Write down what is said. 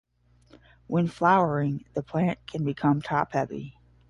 When flowering, the plant can become top heavy.